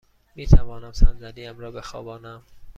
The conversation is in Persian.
می توانم صندلی ام را بخوابانم؟